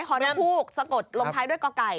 ร้านม๊าฮูกสะกดลงท้ายด้วยก๊อกไป